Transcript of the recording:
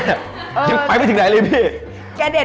แกเด็ดใบของแกไปอย่ามายุ่งกับฉัน